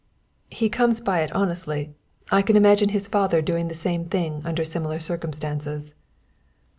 "He comes by it honestly. I can imagine his father doing the same thing under similar circumstances."